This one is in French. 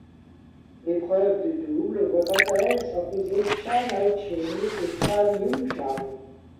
L'épreuve de double voit quant à elle s'imposer Chan Hao-ching et Chan Yung-jan.